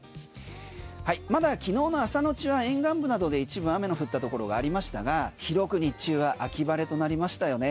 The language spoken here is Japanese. まだ昨日の朝のうちは沿岸部などで一部雨の降ったところがありましたが広く日中は秋晴れとなりましたよね。